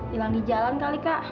hilang di jalan kali kak